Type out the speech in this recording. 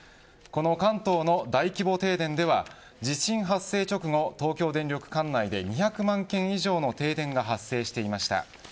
この関東の大規模停電では地震発生直後、東京電力管内で２００万軒以上の停電が発生していました。